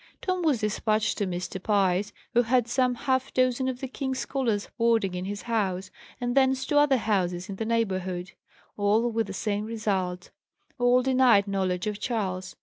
Tom was despatched to Mr. Pye's, who had some half dozen of the king's scholars boarding in his house; and thence to other houses in the neighbourhood. All with the same result; all denied knowledge of Charles.